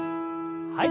はい。